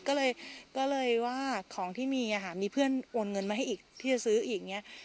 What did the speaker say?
ก็เลยก็เลยว่าของที่มีเพื่อนโอนเงินมาให้อีกที่จะซื้ออีกเนี่ย